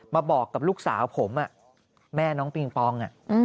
มาบอกกับลูกสาวผมแม่น้องปิงปอง